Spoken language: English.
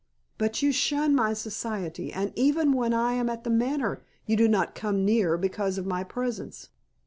But you shun my society, and even when I am at The Manor, you do not come near because of my presence."